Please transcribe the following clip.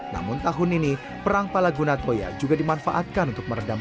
namun tahun ini perang palagunatoya juga dimanfaatkan untuk meredam